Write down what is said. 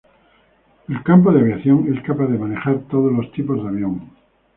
El campo de aviación es capaz de manejar todos los tipos de avión.